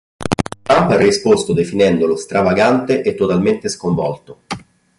Trump ha risposto definendolo "stravagante e totalmente sconvolto".